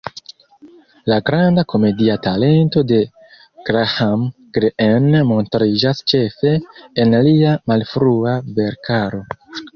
La granda komedia talento de Graham Greene montriĝas ĉefe en lia malfrua verkaro.